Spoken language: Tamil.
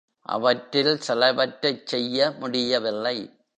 அவற்றில் சிலவற்றைச் செய்ய முடியவில்லை.